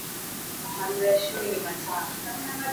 Mahamri ya Shumi ni matamu.